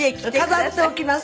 飾っておきます。